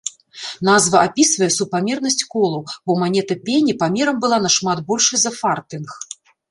Назва апісвае супамернасць колаў, бо манета пені памерам была нашмат большай за фартынг.